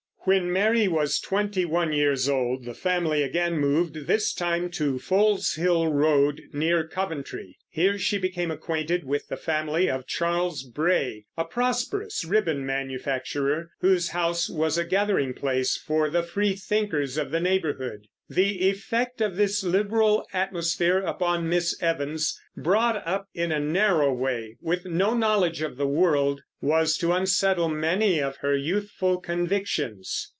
When Mary was twenty one years old the family again moved, this time to Foleshill Road, near Coventry. Here she became acquainted with the family of Charles Bray, a prosperous ribbon manufacturer, whose house was a gathering place for the freethinkers of the neighborhood. The effect of this liberal atmosphere upon Miss Evans, brought up in a narrow way, with no knowledge of the world, was to unsettle many of her youthful convictions.